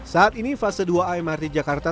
saat ini fase dua mrt jakarta